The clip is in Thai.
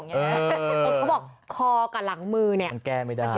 เค้าบอกคอกับหลังมือเนี่ย